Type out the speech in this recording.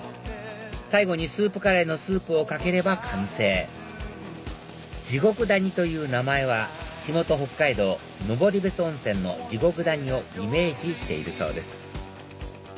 最後にスープカレーのスープをかければ完成地獄谷という名前は地元北海道登別温泉の地獄谷をイメージしているそうです